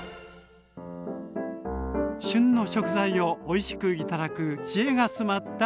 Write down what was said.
旬の食材をおいしく頂く知恵が詰まった３品。